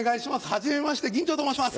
はじめまして銀蝶と申します。